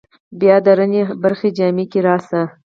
بیا د رڼې پرخې جامه کې راشه